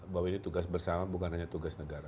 bahwa ini tugas bersama bukan hanya tugas negara